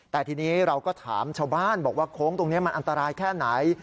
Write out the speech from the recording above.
แต่ทีนี้เราก็ถามชาวบ้านบอกว่าโค้งตรงนี้มันอันตรายแค่ไหน